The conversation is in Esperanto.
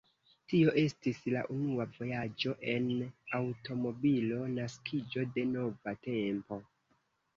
Tio estis la unua vojaĝo en aŭtomobilo, naskiĝo de nova tempo.